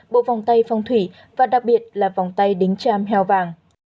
bộ vòng tay phong thủy và đặc biệt là vòng tay đính cham heo vàng